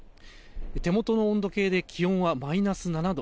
手元の温度計で気温はマイナス７度。